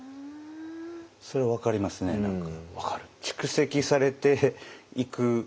それは分かりますね何か。